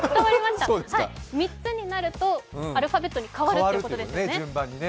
３つになるとアルファベットに変わるということですね。